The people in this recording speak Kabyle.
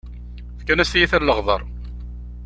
Fkan-as tiyita n leɣder!